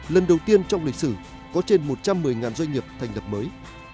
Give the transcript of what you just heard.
lần đầu tiên trong lịch sử có trên một trăm một mươi doanh nghiệp thành lập mới